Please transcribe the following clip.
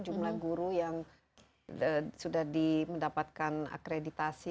jumlah guru yang sudah mendapatkan akreditasi